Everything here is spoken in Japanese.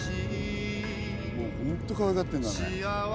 もうほんとかわいがってんだね。